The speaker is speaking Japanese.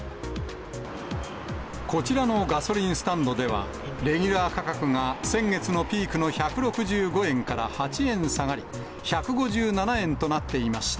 こちらのガソリンスタンドでは、レギュラー価格が先月のピークの１６５円から８円下がり、１５７円となっていました。